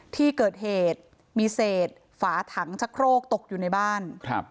ที่เกิดเหตุมีเศษฝาถังชะโครกตกอยู่ในบ้าน